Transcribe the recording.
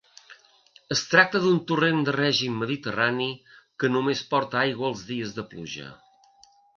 Es tracta d’un torrent de règim mediterrani, que només porta aigua els dies de pluja.